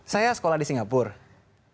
saya sekolah di singapura